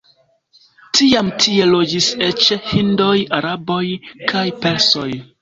Tiam tie loĝis eĉ hindoj, araboj kaj persoj.